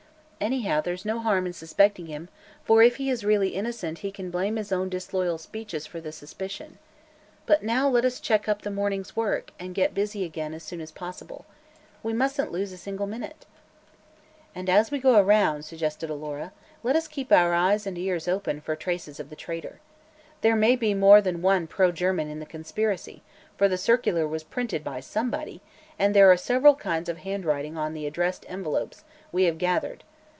Anyhow, there's no harm in suspecting him, for if he is really innocent he can blame his own disloyal speeches for the suspicion. But now let us check up the morning's work and get busy again as soon as possible. We mustn't lose a single minute." "And, as we go around," suggested Alora, "let us keep our eyes and ears open for traces of the traitor. There may be more than one pro German in the conspiracy, for the circular was printed by somebody, and there are several kinds of handwriting on the addressed envelopes we have gathered.